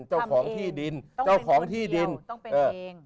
เจ้าของที่ดินต้องเป็นคนเดียว